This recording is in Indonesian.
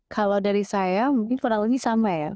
kalau dari saya mungkin kualitas ini sama ya